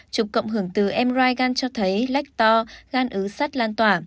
chụp cộng hưởng từ mri gan cho thấy lách to gan ứ sắt lan tỏa